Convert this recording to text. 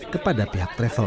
kepada pihak travel